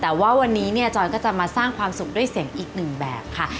แต่ว่าวันนี้เนี่ยจอยก็จะมาสร้างความสุขด้วยเสียงอีกหนึ่งแบบค่ะ